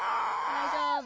大丈夫。